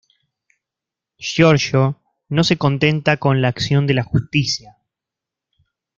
Giorgio no se contenta con la acción de la justicia.